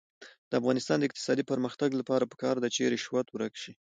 د افغانستان د اقتصادي پرمختګ لپاره پکار ده چې رشوت ورک شي.